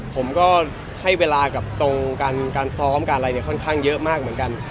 ผมก็ให้เวลากับตรงการซ้อมการอะไรเนี่ยค่อนข้างเยอะมากเหมือนกัน